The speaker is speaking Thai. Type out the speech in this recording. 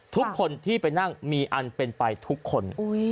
ทุกคนที่ไปนั่งมีอันเป็นไปทุกคน